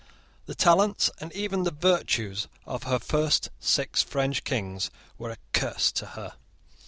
The talents and even the virtues of her first six French Kings were a curse to her.